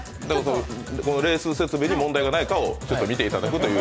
このレース設備に問題がないかを見ていただくという。